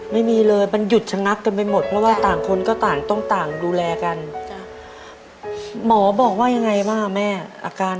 ไม่มีเลยมันหยุดชะนับกันไปหมดเพราะว่าต่างคนก็ต้องต่างดูแลกัน